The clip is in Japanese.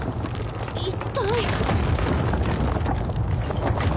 一体。